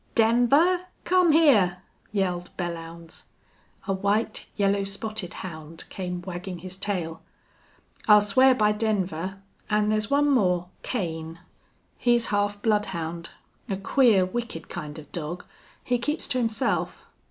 "Denver, come hyar!" yelled Belllounds. A white, yellow spotted hound came wagging his tail. "I'll swear by Denver. An' there's one more Kane. He's half bloodhound, a queer, wicked kind of dog. He keeps to himself....